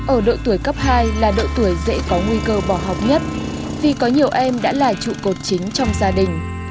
ở độ tuổi cấp hai là độ tuổi dễ có nguy cơ bỏ học nhất vì có nhiều em đã là trụ cột chính trong gia đình